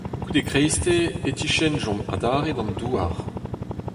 Goude kreisteiz, e tiskennjomp adarre d'an douar.